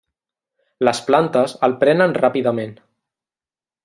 Les plantes el prenen ràpidament.